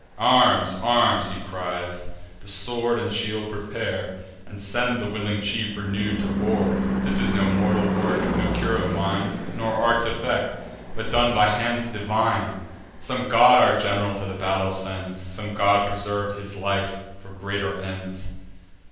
"Arms! arms!" he cries; "the sword and shield prepare, And send the willing chief, renew'd, to war. This is no mortal work, no cure of mine, Nor art's effect, but done by hands divine. Some god our general to the battle sends; Some god preserves his life for greater ends."